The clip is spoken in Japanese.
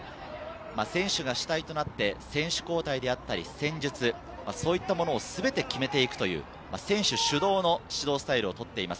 選手が主体となって選手交代だったり戦術、そういったものをすべて決めていくという選手主導の指導スタイルをとっています。